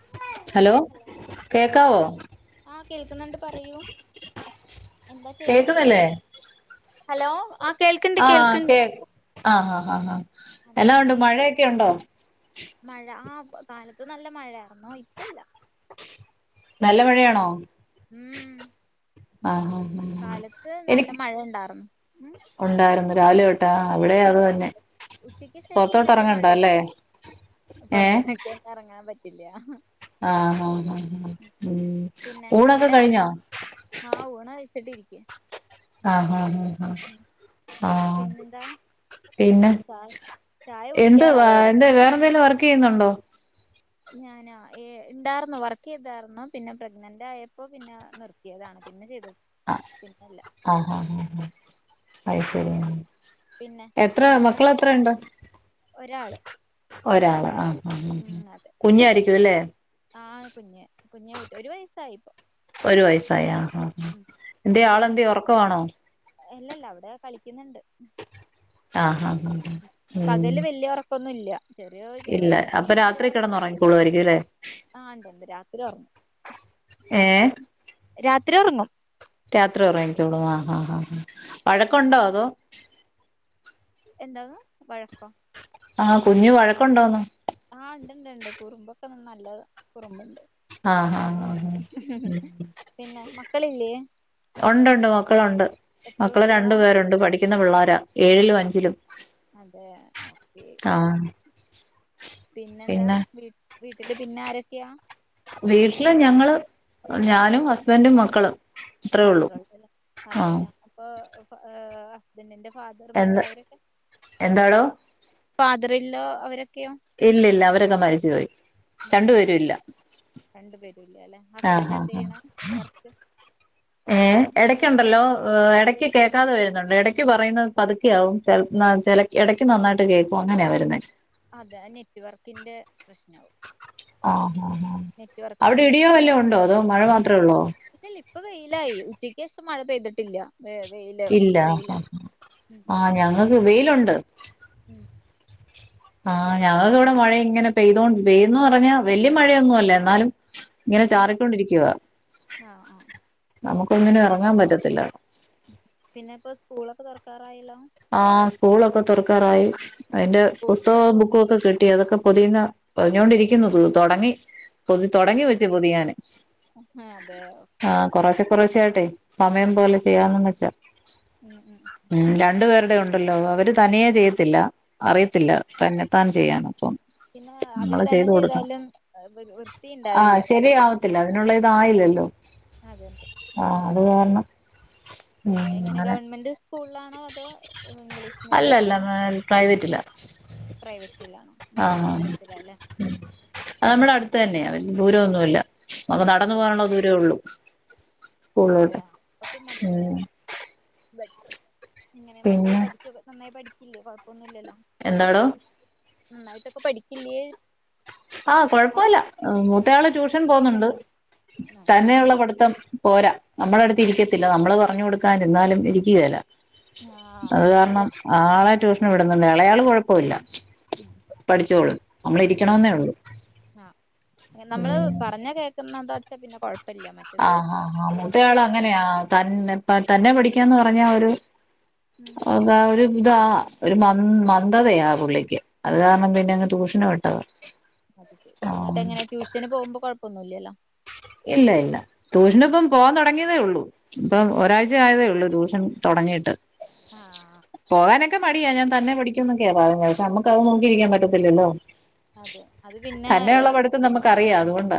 Hello hello കേക്കാവോ ആഹ് കേൾക്കുന്നുണ്ട് പറയൂ. എന്താ ചെയ്യ്ണെ കേക്കുന്നില്ലേ ഹലോ ആഹ്. കേൾക്ക്ണ്ട് ആഹ് കേൾക്ക്ണ്ട് കേക്കു ആഹ് ആഹ് ആഹ് ആഹ്. അതെ എന്നാ ഉണ്ട് എന്തേ. മഴയൊക്കെ ഉണ്ടോ മഴ ആഹ് കാലത്ത് നല്ല മഴ ആയിരുന്നു ഇപ്പ ഇല്ല. നല്ല മഴയാണോ. ഉം. ആഹ് കാലത്ത് നല്ല എനിക്ക് മഴ ഉണ്ടാർന്നു ഉം ഉണ്ടായിരുന്നു രാവിലെ തൊ ട്ടാ ആ ഇവിടെ അതുതന്നെ രാത്രി പൊറത്തോട്ട് ഇറങ്ങണ്ടോ അല്ലേ. ഏഹ് പൊറത്തക്കെന്നും എറങ്ങാൻ പറ്റില്ല. ആണോ ആഹ് ആഹ് ഉം പിന്നെ ഊണൊക്കെ അവിടെ എന്ത് കഴിഞ്ഞോ. ആഹ് ഊണ് കഴിച്ചിട്ടിരിക്ക്യ. ആഹ് ആഹ് ആഹ് ആഹ് ആഹ്. പിന്നെന്താ. പിന്നെ ചായ ചായ എന്തുവാ കുടിക്കാറായോ അവിടെ എന്തെ വേറെന്തെങ്കിലും വർക്കെയ്യുന്നുണ്ടോ. ഞാനോ ഏ ഇണ്ടാർന്നു വർക്കെയ്താർന്നു പിന്നെ പ്രഗ്നന്റ് ആയപ്പൊ പിന്നെ നിർ ത്ത്യതാണ് പിന്നെ ചെയ്ത്. അ ആഹ് ആഹ് ആഹ് ആഹ് അത് ശരിയ. പിന്നെ എത്ര എന്താണ് മക്കളത്ര ഇണ്ട്. ഒരാള് ഒരാള് ആഹ് ആഹ് കുഞ്ഞായിരിക്കും അല്ലേ. ആഹ് കുഞ്ഞ് കുഞ്ഞേ കൂട്ടി ഒരു വയസായിപ്പോ. ഒരു വയസ്സായ ആ ആഹ് എന്തേ പിന്നെ ആളെന്തെ ഒറക്കവാ ണോ? അല്ലല്ല അവിടെ കളിക്കുന്നുണ്ട്. ആഹ് ആഹ് ആഹ് ഉം പകല് വല്യ ഒർ പ്പൊന്നുല്ല്യ ഇല്ല അപ്പൊ രാത്രി കെടന്നൊ റങ്ങിക്കൊളു ആയിരിക്കുല്ലേ ആഹ് ണ്ട് ണ്ട് രാത്രി ഒറങ്ങും ഏഹ് രാത്രി ഒറങ്ങും രാത്രി ഒറങ്ങിക്കോളും ആ ഹാ ഹാ വഴക്കുണ്ടോ അതോ? എന്താണ് വഴക്കൊ? ആഹ് കുഞ്ഞു വഴക്കുണ്ടോന്ന് ആഹ് ണ്ട്ണ്ട് ണ്ട് കുറുമ്പൊക്കെ നല്ല കുറുമ്പുണ്ട് ആഹ് ആഹ് ആഹ് പിന്നെ മക്കളില്ലേ? ഒണ്ട്ണ്ട് മക്കളുണ്ട് എത്ര മക്കള് രണ്ടു കുട്ടികളാ പേരുണ്ട് പഠി ക്കു ന്ന പിള്ളാര ഏഴിലും അഞ്ചിലും അതെ ഓക്കെ ആഹ് പിന്നെന്താ പിന്നെ വീ വീട്ടില് പിന്നെ ആരൊക്കെയാ? വീട്ടില് ഞങ്ങള് ഞാനും ഹസ്ബൻറും മക്കളും. അത്രേ ഉള്ളൂ മാത്രേ ഉള്ളല്ലേ ആഹ് അതെല്ലേ അപ്പൊ എഏഹ് ഹസ്ബൻറിന്റെ ഫാദർ എന്ത് മദർ അവരൊക്കെ എന്താടോ ഫാദർ ഇൻ ലോ അവരൊക്കെയോ? ഇല്ലില്ല അവരൊക്കെ മരിച്ചുപോയി. രണ്ടു മരിച്ചു പേരു ഇല്ല. രണ്ടു പേരുമില്ല അല്ലെ ആഹ് ആഹ് ആഹ് ഹസ്ബന്റെന്തെയ്യ്ണ് വർക്ക്? ഏഹ് എടയ്ക്കുണ്ടല്ലോ എടയ്ക്ക് കേക്കാതെ വരുന്നുണ്ട് എടയ്ക്ക് പറയുന്നത് പതുക്കെ ആവും ചെൽ നാ ചെല എടയ്ക്ക് നന്നായിട്ട് കേക്കും അങ്ങനെയ വരുന്നേ അതെ അ നെറ്റ് വർക്കിന്റെ പ്രശ്നാവും. ആഹ് ആഹ് ആഹ് നെറ്റ് വർക്ക് അവിടെ ഇടിയോ വല്ലോ ഉണ്ടോ അതോ മഴ മാത്രേ ഉള്ളോ? ഇല്ലല്ല ഇപ്പ വെയിലായി ഉച്ചയ്ക്കേഷം മഴ പെയ്തിട്ടില്ല. വേ വെയില് ഇല്ല വെയിലാ ആഹ് ആഹ് ഞങ്ങക്ക് വെയിലുണ്ട്. ഏഹ് ആഹ് ഞങ്ങക്ക് ഇവിടെ മഴ ഇങ്ങനെ പെയ്തോണ്ട് പെയ്യുന്നു പറഞ്ഞാ വല്യ മഴയൊന്നും അല്ല എന്നാലും ഇങ്ങനെ ഉം ചാറിക്കൊണ്ടിരിക്കുവാ. ആഹ് ആഹ് നമുക്കൊന്നിനും പി എറങ്ങാൻ പറ്റത്തില്ല. പിന്നെ പ്പോ സ്കൂളൊക്കെ തൊറക്കാറായല്ലോ. ആഹ് സ്കൂളൊക്കെ തുറക്കാറായി. അയിന്റെ അതെ സ്കൂൾ പുസ്തകവും ബാഗും ബുക്കു ഒക്കെ കിട്ടി. അതൊക്കെ പൊതിയുന്ന പൊതിഞ്ഞോണ്ടിരിക്കുന്നു തു തുടങ്ങി. പൊതി തൊടങ്ങി അതെ വെച്ചു പൊതിയാന്. അതെ ഓക്കെ ആഹ് കൊറേശ്ശെ കൊറേശ്ശെ ആയിട്ടെ സമയം ഉം പോലെ ചെയ്യാമെന്നും വെച്ചാ ഉം രണ്ട് പേർ ടെ ഉണ്ടല്ലോ അവര് തനിയെ ചെയ്യത്തില്ല അറിയത്തില്ല. ആ തന്നെത്താൻ ചെയ്യാൻ അപ്പം പിന്നെ അവര് നമ്മള് തന്നെ ചെയ്തു കൊടുക്കണം ചെയ്താലും വൃ വൃത്തി ണ്ടാവില്ല ത്തില്ല അതിനുള്ള ഇതായില്ലല്ലോ. അതെ ആഹ് അത് കാരണം ഉം അതെ എങ്ങനെ അങ്ങനെ ഗവൺമെന്റ് സ്കൂളാണോ അതോ ഇംഗ്ലീഷ് മീഡിയാണോ? ഞാൻ പ്രൈവറ്റിലാ പ്രൈവറ്റിലാ ഇംഗ്ലീഷ് ആഹ് മീഡിയത്തിലാല്ലെ അത് നമ്മടെ അടുത്ത് തന്നെയാ വല്യ ദൂരൊന്നുല്ല നമുക്ക് നടന്നു അതെ പോകാനുള്ള ദൂരെ ഒള്ളു അതെയാ അപ്പൊ പിന്നെ അതെന്നേണ് ബെറ്റർ എങ്ങനെ മക്കള് പിന്നെ പഠിക്കൊക്കെ നന്നായി പഠിക്കില്ലേ കുഴപ്പൊന്നും ഇല്ലല്ലോ എന്താടോ നന്നായിട്ടൊക്കെ പഠിക്കില്ല്യേ ആഹ് കൊഴപ്പമില്ല മൂത്തയാള് ട്യൂഷൻ ട്യൂഷനൊക്കെ പോന്നുണ്ട് ഉണ്ടോ ആ ഉണ്ടല്ലേ തന്നെയുള്ള പഠിത്തം പോരാ നമ്മളെ അടുത്ത് ഇരിക്കത്തില്ല നമ്മള് പറഞ്ഞു കൊടുക്കാൻ നിന്നാലും ഇരിക്കുകേല ആഹ് അത് അതാണ് കാരണം പ്രശ്നം ആളെ ട്യൂഷന് വിടുന്നുണ്ട് എളയാള് കുഴപ്പമില്ല ഉം പഠിച്ചോളും നമ്മള് പഠി ഇരിക്കണെന്നേ ഉള്ളൂ ആഹ് നമ്മള് ഉം പറഞ്ഞാ കേൾക്കുന്നത ച്ച പിന്നെ കുഴപ്പല്ല്യ മറ്റത് ആഹ് ആഹ് ആഹ് കുറുമ്പ് മൂത്തയാള് അങ്ങനെയാ തന്നെ തന്നെ പഠിക്കാന്ന് പറഞ്ഞാ ഒരു ഉം ന്താ ഒരു ഇതാ ഒരു മ മന്ദതയാ പുള്ളിക്ക് അത് കാരണം പിന്നെ അങ്ങ് ട്യൂഷന് വിട്ടതാ അത് ശരി ആഹ് ഇന്നിട്ട് എങ്ങനെ ട്യൂഷന് പോവ്മ്പോ കൊഴപ്പൊന്നുല്ല്യല്ലോ ഇല്ല ഇല്ല ട്യൂഷൻപ്പം പോവാൻ തൊടങ്ങിയതേ ഉള്ളൂ ഇപ്പൊ ഒരാഴ്ച ആയതേ ഉള്ളൂ ട്യൂഷൻ തൊടങ്ങിയിട്ട് ആഹ് അത് ശരി ഒക്കെ പടിയാ ഞാൻ തന്നെ പഠിക്കുന്നൊക്കെയാ പറഞ്ഞത് പക്ഷേ നമുക്ക് അത് നോക്കിയിരിക്കാൻ പറ്റത്തില്ലല്ലോ അതെ അത് പിന്നെ നമുക്ക് അറിയാം അതുകൊണ്ടാ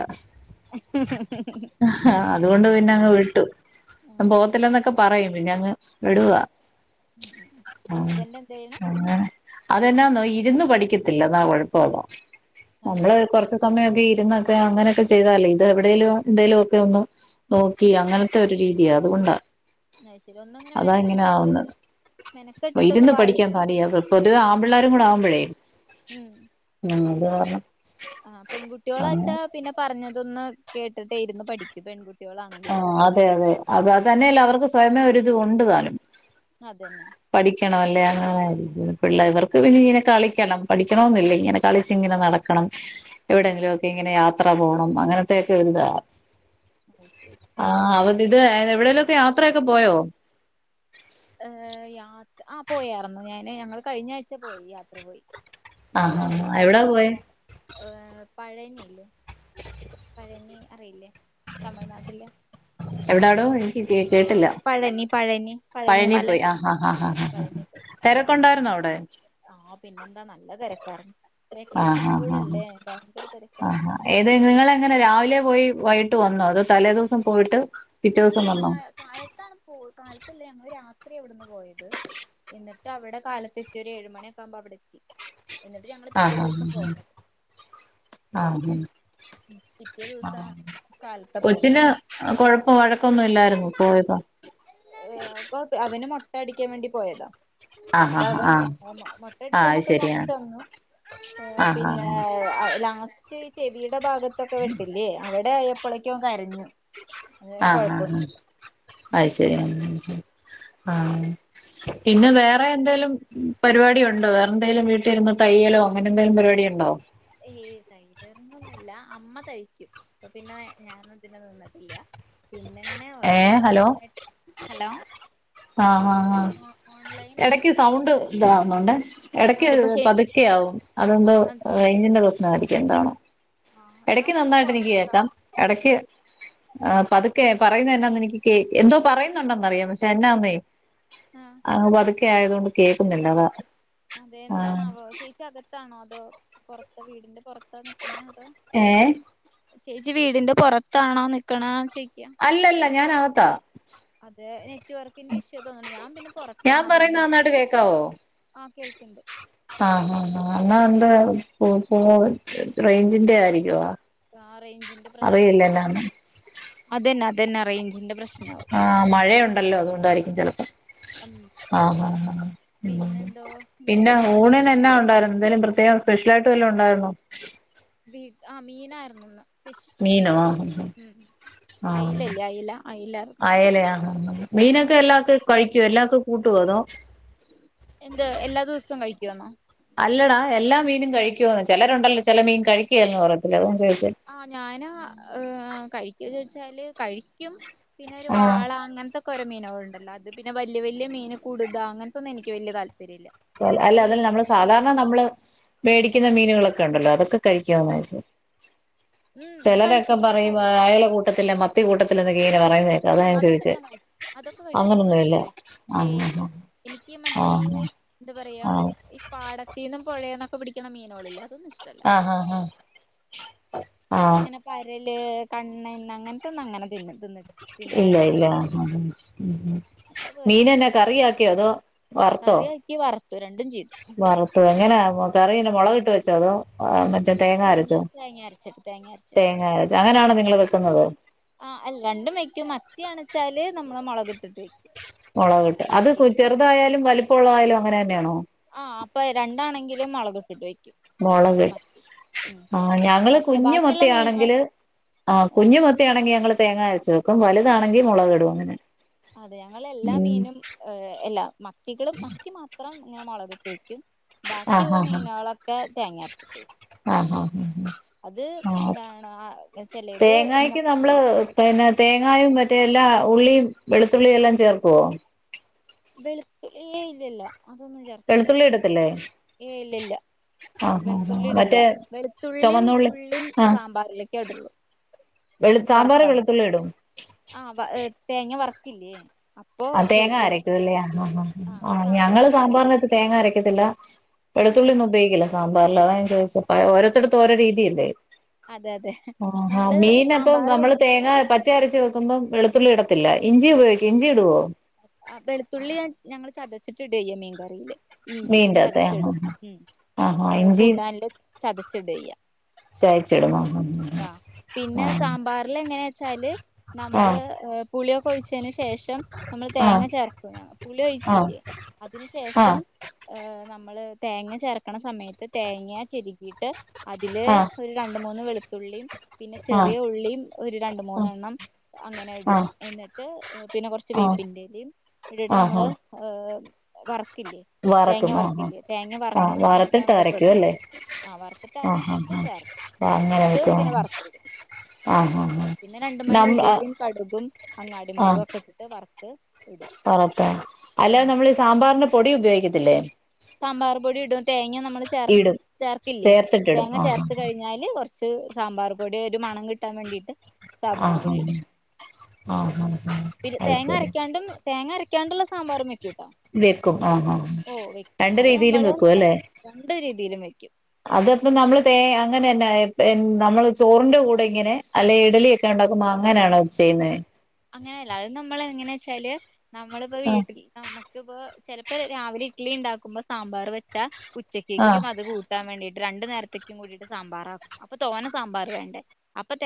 ആഹ് അത് അതുകൊണ്ട് പിന്നെ ശരി അങ്ങ് വിട്ടു ഉം ഞാൻ പോകത്തില്ലന്നൊക്കെ പറയും പിന്നെ അങ്ങ് വിടുവാ ഉം ഉം ആഹ് ഹസ്ബൻഡ് എന്ത് ചെയ്യണ് അങ്ങനെ അതെന്നാന്നോ ഇരുന്ന് പഠിക്കത്തില്ല അതാ കൊഴപ്പൊ അതാ നമ്മള് അതെ കൊറച്ച് സമയൊക്കെ ഇരുന്നൊക്കെ അങ്ങനെയൊക്കെ ചെയ്താലേ ഇത് എവിടേലും എന്തേലും ഒക്കെ ഒന്ന് നോക്കി അങ്ങനെ ത്തെ ഒരു രീതിയ അതുകൊണ്ടാ അത് ശരി ഒന്നിങ്ങനെ അതാ ഇങ്ങനെ മെനക്കെട്ടിട്ട് ആവുന്നത് മെനക്കെട്ടിട്ടൊന്ന് ഇരുന്ന് പഠിക്കാൻ വായിക്ക് പണിയാ പൊതുവേ ആമ്പിള്ളാരും കൂടാവ്മ്പഴേ ഉം അത് കാര്ണം ആഹ് പെങ്കുട്ട്യോളാച്ചാ പിന്നെ പറഞ്ഞതൊന്ന് കേട്ടിട്ട് ഇര്ന്ന് പഠിക്കും പെങ്കു ആഹ് അതെ അതെ അത് അത് തന്നേല്ല അവർക്ക് സ്വയമേ ഒരിത് ഒണ്ട് താനും അതെന്നെ പഠിക്കണം അല്ലേ അങ്ങനാരിക്ക പിള്ളേ ഇവർക്ക് പിന്നെങ്ങനെ കളിക്കണം പഠിക്കണോന്നില്ല ഇങ്ങനെ കളിച്ച് ഇങ്ങനെ നടക്കണം ഉം എവിടെങ്കിലും ഒക്കെ ഇങ്ങനെ യാത്ര പോണം അങ്ങനത്തയൊക്കെ ഒര് ഇതാ [unintelligible] ആഹ് അവത് ഇത് എവിടേലും ഒക്കെ യാത്രയൊക്കെ പോയോ ഏഹ് യാത് ആഹ് പോയായിരുന്നു ഞാന് ഞങ്ങള് കഴിഞ്ഞ ആഴ്ച പോയി യാത്ര പോയി ആഹ് ഏഹ് ആഹ് ആഹ് എന്റെ എവ്ടാ പോയേ ഏഹ് പഴനി ഇല്ലേ [inaudible] പഴനി അറിയില്ലേ തമിഴ്നാട്ട്ലെ എവ്ടാടോ എനിക്ക് കേ കേട്ടില്ല പഴനി പഴനി പഴനി പഴനിമല പോയി ആഹ് ആഹ് ആഹ് ആഹാ ആ തെരക്കൊണ്ടായിര്ന്നോ അവ്ടെ ആഹ് പിന്നെന്താ നല്ല തെരക്കാർന്നു ആഹ് വെക്കേഷനും കൂടല്ലേ ഭയങ്കര തെരക്കാർന്ന് ഏതേ നിങ്ങളെങ്ങനെ രാവിലെ പോയി വൈകിട്ട് വന്നോ അതോ തലേ ദിവസം പോയ്ട്ട് ഞങ്ങള് കായ് കാലത്താണ് പോ കാലത്തല്ല ഞങ്ങള് രാത്ര്യാ ഇവട്ന്ന് പോയത് എന്നിട്ട് അവിടെ കാലത്തെത്തി ഒരു ഏഴി മണ്യൊക്കൊവുമ്പോ അവ്ടെത്തി. എന്നിട്ട് ഞങ്ങള് പിറ്റേ ആഹ് ദിവസം ആഹ് പോന്ന്. ആഹ് പിറ്റേ ദിവസം കാലത്താ പോന്നത് ആ കൊഴപ്പം വഴക്കൊന്നും ഇല്ലായിര്ന്നു പോയപ്പോ ഏഹ് കൊഴപ്പീ അവന് മൊട്ടയടിക്കാൻ വേണ്ടി പോയതാ. ആഹ് അപ്പ ആഹ് അവൻ ആഹ് ആഹ് അത് മൊട്ടയടിക്കാനൊക്കെ ശരിയാ കാണ്ച്ചന്നു. ഏഹ് ആഹ് പിന്നേ ആഹ് അയ് ലാസ് റ്റ് ചെവീടെ ഭാഗത്തൊക്കെ വെട്ടില്ലേ അവിടെ ആയപ്പളേക്കും അവൻ കരഞ്ഞു. അതുവരെ ആഹ് ആഹ് കൊഴപ്പൊന്നുല്ല ഹ അത്ശരി അത്ശരി ആഹ് പിന്നെ വേറെ എന്തേലും പരുപാടി ഒണ്ടോ വേറെന്തേലും വീട്ടീര്ന്ന് തയ്യലോ അങ്ങനെന്തേലും പര്വാടിയൊണ്ടോ? ഏയ് ടെെയ്ലറിങ്ങൊന്ന്ല്ല അമ്മ തയ്ക്കും. അപ്പൊ പിന്നെ ഞാനതിന് നിന്ന്ട്ട്ല്ല്യ. പിന്നെങ്ങനെ ഏ ഓരോരോ ഹലോ ഓൺലൈനായിട്ട്, ഹലോ? ആഹ് ആഹ് ഹ ഓൺലൈൻ എടയ്ക്ക് ആയിട്ടേ സൗണ്ട് ഇതാകുന്നൊണ്ട് എടക്ക് അതിപ്പോ ശെ പതുക്കെ ആവും അതെത്നേ റേഞ്ചിന്റെ പ്രശ്നായിര്ക്കും എന്താണോ. ആഹ് ഞാൻ എടയ്ക്ക് പക്ഷെ നന്നായിട്ടെനിക്ക് പൊറത്താ കേക്കാം എടയ്ക്ക് ആഹ് പത്ക്കെ പറയുന്നെ എന്നാന്ന് എനിക്ക് കേ എന്തോ പറയുന്നുണ്ടന്നറിയാം പക്ഷെ എന്നാന്നേ ആഹ് പതുക്കെ ആയതോണ്ട് കേൾക്കുന്നില്ല എന്താ അതാ ആഹ് ച്ചി അകത്താണോ അതോ പൊറത്ത് വീടിന്റെ പൊറത്താ നിക്കുന്നേ അതോ ഏ ചേച്ചി വീടിന്റെ പൊറത്താണോ നിക്കണേ ചേയ്ക്കാ അല്ലല്ല ഞാനകത്താ. അതെ നെറ്റ്വർക്കിന്റെ ഇഷ്യു തോന്ന്ണ് ഞാൻ പിന്നെ ഞാൻ പുറത്താണ് പറയുന്ന അതുകൊണ്ട് നന്നായിട്ട് കേൾക്കാവോ? ആ കേൾക്കണ്ട് ആഹ് ആഹ് ആഹ് എന്നാഒണ്ട് പോ ഫോ റേഞ്ചിന്റെ ആയിര്ക്കുവാ ആഹ് റേഞ്ചിന്റെ പ്രശ്നാവും. അതന്നെ അതന്നെ റേഞ്ചിന്റെ പ്രശ്നം ആഹ് മഴയുണ്ടല്ലോ അതോണ്ടായിരിക്കും ചെലപ്പം ഉം ആഹ് അഹ് അഹ് പിന്നെന്തോ എന്തോ പിന്നെ പറ ആ ഞാന് ഊണിനെന്നാ ഉണ്ടായിരുന്നു എന്തേലും പ്രത്യേകം സ്പെഷ്യലായിട്ട് വല്ലൊം ഉണ്ടായിരുന്നോ? വീ ആഹ് മീനായിരുന്നു ഇന്ന്. മീനോ? ആഹ് അയിലല്ലേ അയില അയിലായിരുന്നു അയലയായിരുന്നു ഇന്ന് ഉം മീനൊക്കെ എല്ലാതും കഴിക്കുവോ എല്ലാതും കൂട്ടുവൊ അതൊ എന്ത് എല്ലാ ദിവസവും കഴിക്കോന്നോ? അല്ലടാ എല്ലാ മീനും കഴിക്കോന്ന്. ചെലരുണ്ടല്ലോ ചെല മീൻ കഴിക്കേലെന്ന് പറത്തില്ല അതോണ്ട് ചോദിച്ചേ ആഹ് ഞാന് ഏഹ് കഴിയ്ക്കോ ചോയ്ച്ചാല് കഴിക്ക്യും പിന്നൊരു ആഹ് വാള അങ്ങൻത്തെ ക്കോരോ മീനേള്ണ്ടല്ലോ അത് പിന്നെ വല്യ വല്യ മീന് കുട്താ അങ്ങനത്തൊന്നും എനിയ്ക്ക് വല്യ താല്പര്യല്ല അല്ല അതല്ല നമ്മള് സാധാരണ നമ്മള് ഉം മേടിക്കുന്ന മീനുകളൊക്കെ ഉണ്ടല്ലോ അതൊക്കെ കഴിക്കോന്നാ ചോദിച്ചെ ഉം ചെലരൊക്കെ കഴിക്കും പറയും കുഴപ്പല്ല അയല കൂട്ടത്തില്ല മ ത്തി കൂട്ടത്തില്ല ങ്ങനൊക്കെ ഇങ്ങനെ പറയുന്നെ കേൾക്കാ അതാ ഉം ഞാൻ അതൊക്കെ ചോദിച്ചെ. കഴിക്കും അതൊക്കെ അങ്ങനൊന്നും ഇല്ല ആഹ് ആഹ് എനിയ്ക്ക് മറ്റേ ഈ എന്താ പറയാ ആഹ് ഈ പാടത്തീന്നും പൊഴേന്നൊക്കെ പിടിക്കണ മീനോളില്ലെ അതൊന്നും ഇഷ്ടല്ല അഹാഹ ഇങ്ങനെ പരല്, കണ്ണൻ അങ്ങൻത്തൊന്നും അങ്ങനെ തിന്നും. ഇല്ല ഇല്ല ഉം ഉം ഉം ഉം മറ്റേത് കഴിക്കും മീനെന്നാ കറി ആക്കിയോ അതോ? കറിയാക്കി വർത്തു രണ്ടും ചെയ്തു. വറത്തു എങ്ങനെ കറി എന്നാ മൊളക് ഇട്ട് വെച്ചൊ അതോ അ മറ്റേ? തേങ്ങ അരച്ചോ തേങ്ങ അരച്ചിട്ട് തേങ്ങ അരച്ചിട്ട് തേങ്ങ അരച്ച് അങ്ങനാണോ നിങ്ങള് വെക്കുന്നത്? ആ അല്ലാണ്ടും വയ്ക്കും മത്തിയാണ്ച്ചാല് നമ്മള് മൊളക് ഇട്ടിട്ട് വെ മൊളകിട്ട് അത് കു ചെറുതായാലും വലിപ്പള്ളതായാലും അങ്ങനെ തന്നെയാണോ? ആ അപ്പം രണ്ടാണെങ്കിലും മൊളക് ഇട്ടിട്ട് വയ്ക്കും. മൊളക് ആ ഞങ്ങള് മറ്റേ കുഞ്ഞു ബാക്കിയുള്ള മീനുകൾ മത്തിയാണെങ്കില് ആ ആഹ് കുഞ്ഞു മ ത്തി ആണെങ്കി ഞങ്ങള് തേങ്ങ അരച്ച് വെക്കും വലുതാണങ്കി മൊളക് ഇടും അങ്ങനെ. അതെ ഞങ്ങള് എല്ലാ ഉം മീനും ഹ് അല്ലാ മത്തികള് മത്തി മാ ത്രം ഞാൻ മൊളകിട്ട് വയ്ക്കും ആഹ് ബാക്കിള്ള ആഹ് ആഹ് മീനളൊക്കെ തേങ്ങ അരച്ചിട്ട് വയ്ക്കും. ആഹ് ആഹ് അത് ആഹ് എന്താണ് ആ ചെലേത് എന്താ തേങ്ങായ്ക്ക് നമ്മള് തേങ്ങ തേങ്ങായും മറ്റേ എല്ലാ ഉള്ളിയും വെളുത്തുള്ളിയും എല്ലാം ചേർക്കോ? വെളുത്തുള്ളി ഇല്ലല്ല. അതൊന്നും ചേർക്കില്ല വെളുത്തുള്ളി ഇടത്തില്ലേ? ഏയ് ഇല്ലല്ല ആഹ് ആഹ് വെളുത്തുള്ളി ആഹ് ഇടില്ല മറ്റേ വെളുത്തുള്ളിം ചുമന്നുള്ളി ഉള്ളിം ആഹ് സാമ്പാറിലേക്കെ ഇടുള്ളു. വെളു സാമ്പാറിൽ വെളുത്തുള്ളിടും ആ വ ഹ് തേങ്ങ വറ്ക്കില്ലേ? ആ തേങ്ങ അരയ്ക്കുല്ലേ അ അ അ ആ ഞങ്ങള് സാമ്പാറിനകത്ത് തേങ്ങ അരക്കത്തില്ല വെളുത്തുള്ളി അതെ ഒന്നും ഉപയോഗിക്കില്ല. സാമ്പാറിൽ അതാ ഞാൻ ചോയ്ച്ചേ ഓരോത്തെട്ത്തും ഓരോ രീതിയല്ലേ. അതെ അതെ ആഹാ നമ്മള് മീനപ്പം സാമ്പാർ നമ്മള് വെക്കുമ്പോ തേങ്ങ പ [unintelligible] അരച്ച് വെക്കുമ്പം വെളുത്തുള്ളി ഇടത്തില്ല ഇഞ്ചി ഉപയോഗിക്കോ ഇഞ്ചി ഇടോ? ആ വെളുത്തുള്ളി ഞാൻ ഞങ്ങള് ചതച്ചിട്ടിടയ്യ മീൻ കറീല്. ഇഞ്ചി മീന്റകത്തെ ആഹ് ചതച്ചിടും ആഹ് ഉം ആഹാ ഏ ഇഞ്ചിയും കൂട്ടാനില് ചതച്ചിടയ്യ. ചായച്ചിടും ആ ആ പിന്നെ സാമ്പാറില് എങ്ങനെ ച്ചാല് ആ നമ്മള് ഹ് പുളിയൊക്കെ ഒഴിച്ചേന് ശേഷം നമ്മള് ആ ആ തേങ്ങ ചേർക്കും ഞ പുളി ആ ഒഴിക്കില്ലേ അതിന് ആ ശേഷം ഹേ നമ്മള് തേങ്ങ ചേർക്ക്ണ സമയത്ത് തേങ്ങ ചെരകീട്ട് അതില് ആ ഒരു രണ്ട്, മൂന്ന് വെളുത്തുള്ളിം പിന്നെ ആ ചെറിയ ഉള്ളിം ഒരു രണ്ട് മൂന്നെണ്ണം അങ്ങനെ ആ ഇടും എന്നിട്ട് പിന്നെ കൊർച്ച് വേ ആ [unintelligible] ഇടട്ട് ആഹാ നമ്മള് ഹ് വറക്കില്ലേ. തേങ്ങ വറക്കും ആ ആ വറക്കില്ലേ തേങ്ങ ആ വറക്ക്ണ വറത്തിട്ട് സമയത്താണ് ഇതൊക്കെ അരക്കും ഇടുന്നത്. അല്ലേ ആ വറത്തിട്ട് ആ ആ അരച്ചിട്ട് ചേർ ആ അങ്ങനെ എന്നിട്ട് വെക്കും പിന്നെ ആ വറത്തേ ഇടും. ആ ആ പിന്നെ രണ്ട് മണി നമ്മ ഉലുവേം കടുകും അങ്ങാടി മൊളക് ഒക്കെ ഇട്ടിട്ട് വറുത്ത് ഇടും പറത്ത ഉം അല്ലാതെ നമ്മൾ ഈ സാമ്പാറിന്റെ പൊടി ഉപയോഗിക്കത്തില്ലേ? സാമ്പാർ പൊടി ഇടും തേങ്ങ നമ്മള് ചേർ ഇടും ചേർക്കില്ലേ ചേർത്തിട്ടിടും തേങ്ങ ആ ചേർത്ത് കഴിഞ്ഞാല് കൊർ ച്ച് സാമ്പാർ പൊടി ഒരു മണം കിട്ടാൻ വേണ്ടിട്ട് ആ സാമ്പാർ പൊടി ആ ഇടും ആ ആ അങ്ങനെ പിന്നെ അത് തേങ്ങ ശരി അരക്കാണ്ടും തേങ്ങ അരയ്ക്കാണ്ട് ഇള്ള സാമ്പാറും വെക്കൂട്ടോ. വെക്കും ആഹ് ആഹ് ആഹ് ഓ വെക്കും രണ്ട് അത് രീതിയിലും നമ്മള് വെക്കും അല്ലേ? രണ്ട് രീതിയിലും വെയ്ക്കും. അത് ഒക്ക നമ്മള് തെ അങ്ങനെന്നെ പെ ഇൻ നമ്മള് ചോറ്ന്റെ കൂടെ ഇങ്ങനെ അല്ലേ ഇഡ്ലി ക്കെ ഇണ്ടാക്കും മ അങ്ങനെണ് ചെയ്യ്ന്നേ അങ്ങനെ അല്ല അത് നമ്മള് എങ്ങനെ വെച്ചാല് നമ്മള് ഇപ്പ ആഹ് വീട്ടിൽ നമ്മ കിബ് ചെലപ്പോ രാവിലെ ഇഡ്ലി ഇണ്ടാക്കുമ്പം സാമ്പാറ് വെട്ടാ ഉച്ചക്കെക്കും ആഹ് അത് കൂ ട്ടാൻ വേണ്ടീട്ട് രണ്ട് നേര്ത്തേക്കും കൂടിട്ട് സാമ്പാറാ അപ്പൊ തോനെ സാമ്പാറ് വേണ്ടെ അപ്പ തേ